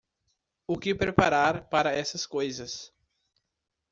O que preparar para essas coisas